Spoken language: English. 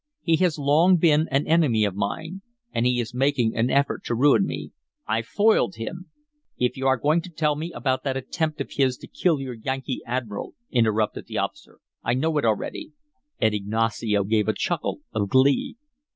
He has long been an enemy of mine, and he is making an effort to ruin me. I foiled him " "If you are going to tell me about that attempt of his to kill your Yankee admiral," interrupted the officer, "I know it already." And Ignacio gave a chuckle of glee.